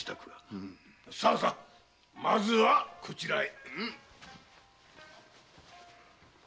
さあまずはこちらへ。